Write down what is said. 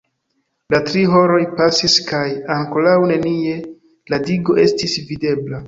La tri horoj pasis kaj ankoraŭ nenie "la digo" estis videbla.